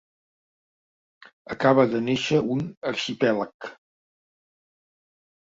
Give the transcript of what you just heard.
Acaba de néixer un arxipèlag.